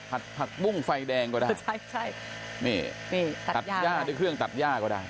ผักบุ้งไฟแดงก็ได้ใช่นี่ตัดย่าด้วยเครื่องตัดย่าก็ได้